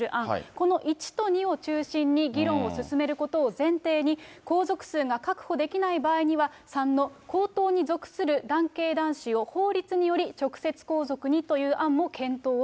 この１と２を中心に議論を進めることを前提に、皇族数が確保できない場合には、３の皇統に属する男系男子を法律により直接皇族にという案も検討